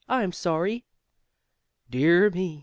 "I'm sorry!" "Dear me!